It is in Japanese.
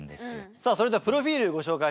さあそれではプロフィールご紹介します。